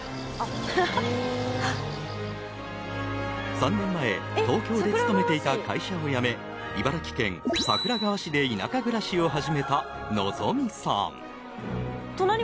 ３年前東京で勤めていた会社を辞め茨城県桜川市で田舎暮らしを始めた。